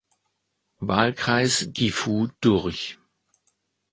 Wahlkreis Gifu durch.